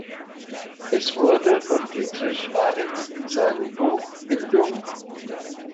Es wurde von Dietrich Schwanitz in seinem Buch Bildung.